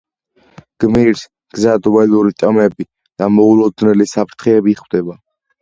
გმირს გზად ველური ტომები და მოულოდნელი საფრთხეები ხვდება.